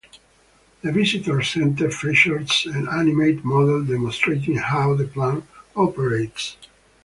The visitors center features a animated model demonstrating how the plant operates.